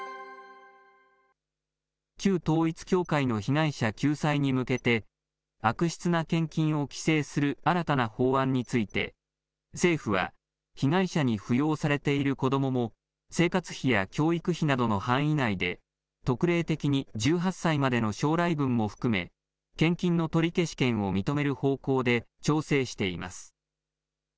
旧統一教会の被害者救済に向けて、悪質な献金を規制する新たな法案について、政府は被害者に扶養されている子どもも、生活費や教育費などの範囲内で特例的に１８歳までの将来分も含め、献金の取消権を認める方向で、調整しています。